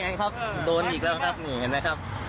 ยังครับโดนอีกแล้วครับนี่เห็นไหมครับ